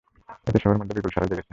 এতে সবার মধ্যে বিপুল সাড়া জেগেছে।